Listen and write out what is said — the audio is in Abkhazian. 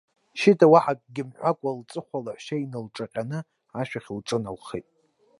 Шьыта уаҳа акгьы мҳәакәа, лҵыхәа лаҳәшьа иналҿаҟьаны, ашәахь лҿыналхеит.